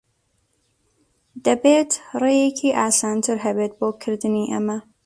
دەبێت ڕێیەکی ئاسانتر ھەبێت بۆ کردنی ئەمە.